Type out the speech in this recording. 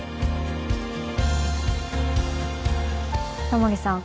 タモリさん